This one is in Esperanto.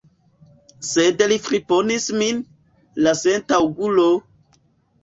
Sed li friponis min, la sentaŭgulo!